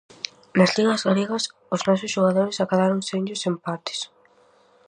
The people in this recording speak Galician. Nas ligas galegas, os nosos xogadores acadaron senllos empates.